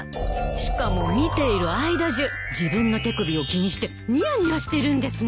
しかも見ている間中自分の手首を気にしてニヤニヤしてるんですの。